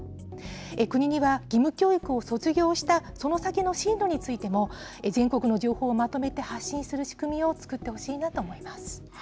国には、義務教育を卒業したその先の進路についても、全国の情報をまとめて発信する仕組みを作ってほしいなと思います。